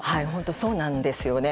そうなんですよね。